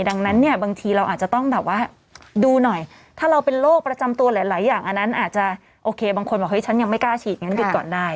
ดังนั้นเนี่ยบางทีเราอาจจะต้องแบบว่าดูหน่อยถ้าเราเป็นโรคประจำตัวหลายอย่างอันนั้นอาจจะโอเคบางคนบอกเฮ้ฉันยังไม่กล้าฉีดงั้นหยุดก่อนได้